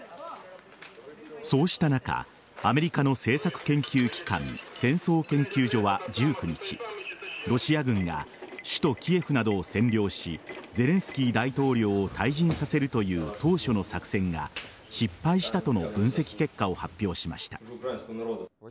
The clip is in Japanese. そうした中アメリカの政策研究機関戦争研究所は１９日、ロシア軍が首都・キエフなどを占領しゼレンスキー大統領を退陣させるという当初の作戦が失敗したとの分析結果を発表しました。